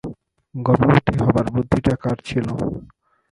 গর্ভবতীর হবার বুদ্ধিটা কার ছিল?